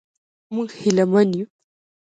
موږ هیله من یو.